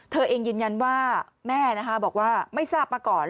เธอเองยืนยันว่าแม่บอกว่าไม่ทราบมาก่อน